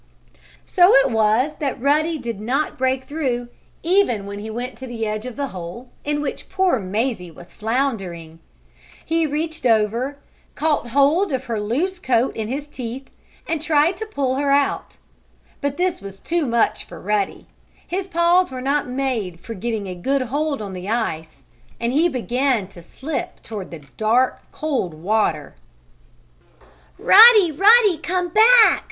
So it was that Ruddy did not break through, even when he went to the edge of the hole, in which poor Mazie was floundering. He reached over, caught hold of her loose coat in his teeth, and tried to pull her out. But this was too much for Ruddy. His paws were not made for getting a good hold on the ice, and he began to slip toward the dark, cold water. [Illustration: "Catch hold of her, now!" cried Rick.] "Ruddy! Ruddy! Come back!"